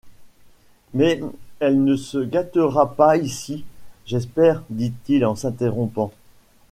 Mais elle ne se gâtera pas ici, j’espère, dit-il en s’interrompant.